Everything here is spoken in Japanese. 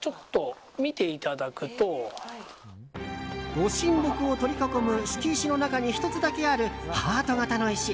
ご神木を取り囲む敷石の中に１つだけあるハート形の石。